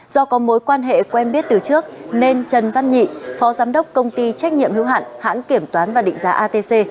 do có mối quan hệ quen biết từ trước nên trần văn nhị phó giám đốc công ty trách nhiệm hiếu hạn hãng kiểm toán và định giá atc